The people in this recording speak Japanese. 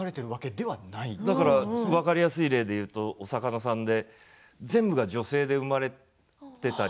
分かりやすい例で言うとお魚さんって全部が女性で生まれていたり